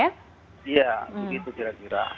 iya begitu kira kira